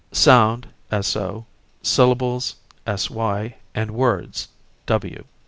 Sound (So), syllables (Sy), and words (W).